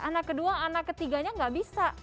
anak kedua anak ketiganya nggak bisa